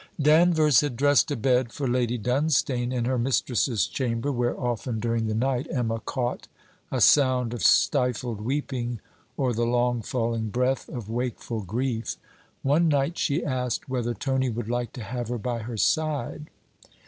Danvers had dressed a bed for Lady Dunstane in her mistress's chamber, where often during the night Emma caught a sound of stifled weeping or the long falling breath of wakeful grief. One night she asked whether Tony would like to have her by her side.